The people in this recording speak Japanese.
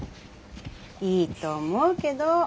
いいと思うけど。